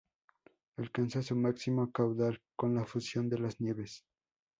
Alcanza su máximo caudal con la fusión de las nieves.